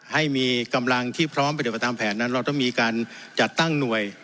ให้มีกำลังที่พร้อมปฏิบัติตามแผนนั้นเราต้องมีการจัดตั้งหน่วย